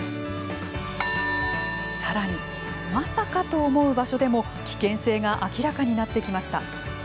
さらに、まさかと思う場所でも危険性が明らかになってきました。